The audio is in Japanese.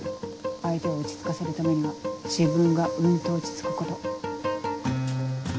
相手を落ち着かせるためには自分がうんと落ち着くこと。